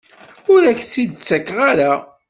Ur ak-t-id-tettak ara?